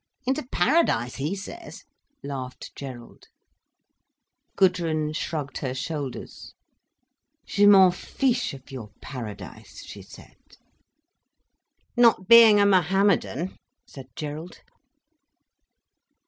"Into Paradise, he says," laughed Gerald. Gudrun shrugged her shoulders. "Je m'en fiche of your Paradise!" she said. "Not being a Mohammedan," said Gerald.